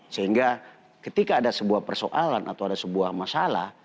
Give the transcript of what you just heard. sehingga ketika ada sebuah persoalan atau ada sebuah masalah